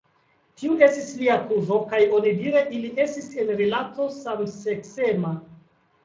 Tiu estis lia kuzo kaj onidire ili estis en rilato samseksema.